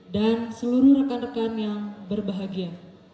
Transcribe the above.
dan seluruh rekan rekan yang berbahagia